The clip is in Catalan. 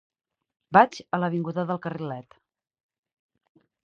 Vaig a l'avinguda del Carrilet.